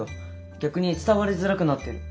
逆に伝わりづらくなってる。